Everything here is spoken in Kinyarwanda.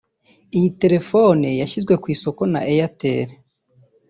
Iyi telefone yashyizwe ku isoko na Itel